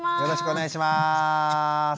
よろしくお願いします。